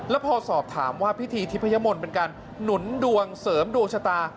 แล้วพอสอบถามว่าพิธีทิพยมนต์เป็นการหนุนดวงเสริมดวงชะตา